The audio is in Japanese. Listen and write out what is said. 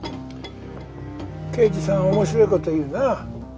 刑事さん面白い事言うなあ。